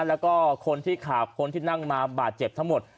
แล้วก็คนที่ขาบคนที่นั่งมาบาดเจ็บทั้งหมด